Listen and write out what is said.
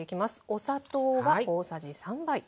お砂糖が大さじ３杯。